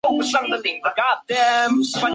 此庙位于国立交通大学北大门前。